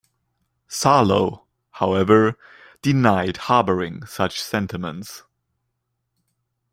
Sarlo, however, denied harboring such sentiments.